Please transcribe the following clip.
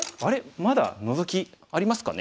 まだノゾキありますかね。